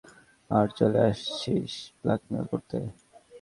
ফেসবুকে দেখছিস পাঁচদিন পর বিয়া আর চলে আসছিস ব্লাকমেইল করতে?